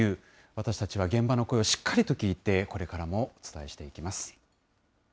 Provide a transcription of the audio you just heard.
私たちは現場の声をしっかりと聞いて、これからもお伝えしていきます。